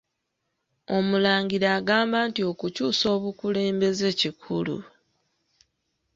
Omulangira agamba nti okukyusa obukulembeze kikulu